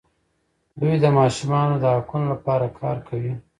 دوی د ماشومانو د حقونو لپاره کار کوي.